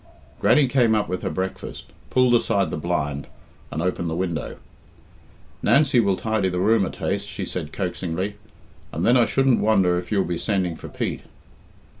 Grannie came up with her breakfast, pulled aside the blind, and opened the window. "Nancy will tidy the room a taste," she said coaxingly, "and then I shouldn't wonder if you'll be sending for Pete."